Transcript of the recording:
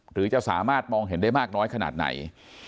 หรือจะสามารถมองเห็นได้มากน้อยขนาดไหน